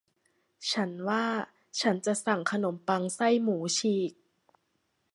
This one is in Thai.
ฉันว่าฉันจะสั่งขนมปังไส้หมูฉีก